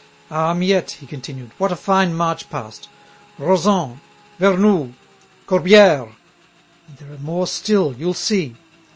"Ah! Miette," he continued, "what a fine march past! Rozan! Vernoux! Corbière! And there are more still, you'll see.